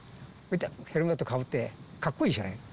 ヘルメットかぶって、かっこいいじゃない？